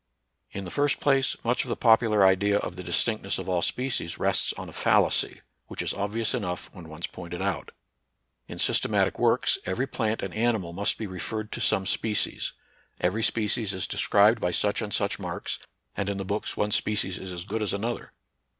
In the first place, much of the popular idea of the distinctness of all species rests on a fallacy, which is obvious enough when once pointed out. In systematic works, every plant and ani mal must be referred to some species, every species is described by such and such marks, and in the books one species is as good as another.